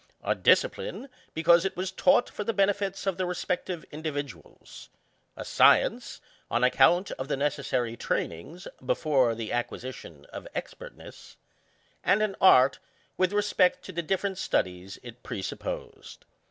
A discipline^ because it was taught for the benefit of the respective individuals ; ŌĆö a science^ on account of the necessary trainings, before the acquisition of expertness ; ŌĆö and an art with respect to the different studies it presupposed.